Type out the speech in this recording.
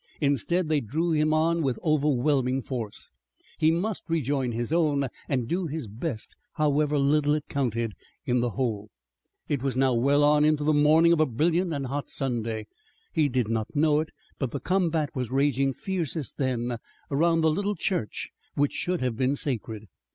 Instead, they drew him on with overwhelming force. He must rejoin his own and do his best however little it counted in the whole. It was now well on into the morning of a brilliant and hot Sunday. He did not know it, but the combat was raging fiercest then around the little church, which should have been sacred.